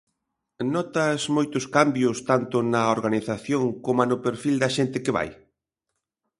Notas moitos cambios, tanto na organización coma no perfil da xente que vai?